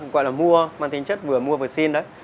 gọi là mua mang tính chất vừa mua vừa xin đấy